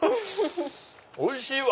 おいしいわ！